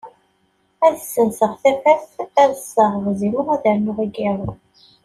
Ad ssenseɣ tafat, ad ssaɣeɣ Zimu ad rnuɣ igarru.